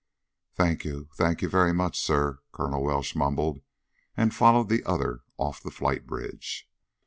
"Thank you, thank you very much, sir," Colonel Welsh mumbled, and followed the other off the flight bridge.